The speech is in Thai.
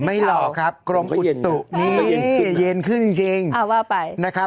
ยังขับกันมีเด็กนะ